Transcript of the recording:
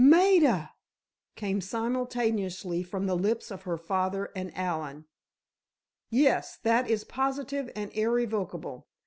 "Maida!" came simultaneously from the lips of her father and Allen. "Yes, that is positive and irrevocable.